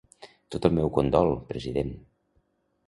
Tot el meu condol, president!